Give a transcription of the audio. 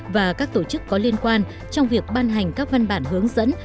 và các tổ chức có liên quan trong việc ban hành các văn bản hướng dẫn